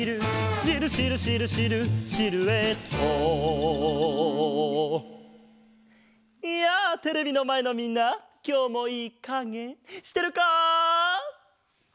「シルシルシルシルシルエット」やあテレビのまえのみんなきょうもいいかげしてるか？